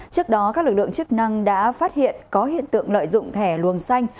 trước đó các lực lượng chức năng đã phát hiện có hiện tượng lợi dụng thẻ luồng xanh